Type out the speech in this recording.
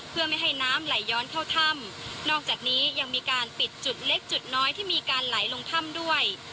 เพื่อไม่ให้น้ำไหลย้อนเข้าถ้ำนอกจากนี้ยังมีการปิดจุดเล็กจุดน้อยที่มีการไหลลงถ้ำด้วย